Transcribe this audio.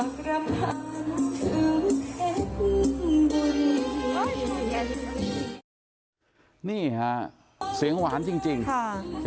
ขอบคุณมากเลยค่ะพี่ฟังเสียงคุณหมอนะฮะพร้อมจริงครับท่านผู้ชมครับ